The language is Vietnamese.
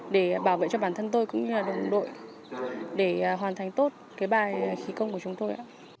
để bảo vệ cho bản thân tôi cũng như là đồng đội để hoàn thành tốt cái bài khí công của chúng tôi ạ